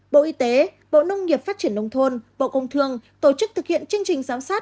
bộ y tế bộ nông nghiệp phát triển nông thôn bộ công thương tổ chức thực hiện chương trình giám sát